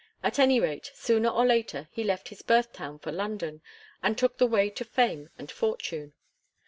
At any rate, sooner or later he left his birth town for London, and took the way to fame and fortune.